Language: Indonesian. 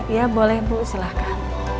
ya boleh bu silahkan